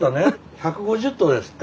１５０頭ですって？